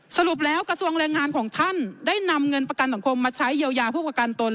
สรุปแล้วกระทรวงแรงงานของท่านได้นำเงินประกันสังคมมาใช้เยียวยาผู้ประกันตน